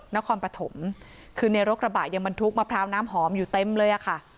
๙๘๓๖ณคอมปะถมคือในรกระบะยังบรรทุกมะพราวน้ำหอมอยู่เต็มเลยค่ะ